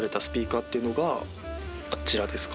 あちらですか？